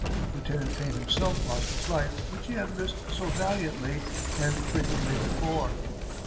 Lieutenant Payne himself lost his life which he had risked so valiantly and frequently before.